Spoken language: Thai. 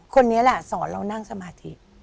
คนนี้แหละสอนเรานั่งสมาธิ